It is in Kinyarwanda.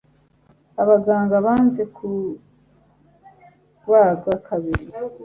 Abaganga banze kubaga kabiri.